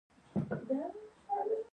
د سنبل ریښه د خوب لپاره وکاروئ